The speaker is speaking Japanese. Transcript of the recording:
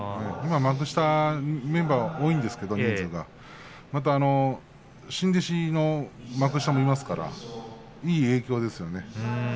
今は幕下がメンバー多いんですが新弟子の幕下もいますからいい影響ですよね。